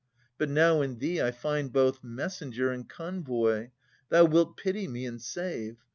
But now in thee I find both messenger And convoy, thou wilt pity me and save.